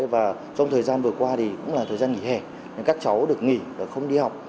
và trong thời gian vừa qua thì cũng là thời gian nghỉ hè nên các cháu được nghỉ và không đi học